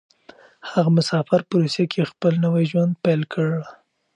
هغه مسافر په روسيه کې خپل نوی ژوند پيل کړ.